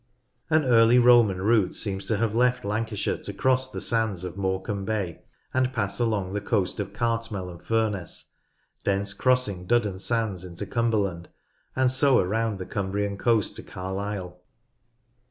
An early Roman route seems to have left Lancashire to cross the sands of Morecambe Bay, and pass along the coast of Cartmel and Furness, thence crossing Duddon sands into Cumberland, and so around the Cumbrian coast to Carlisle.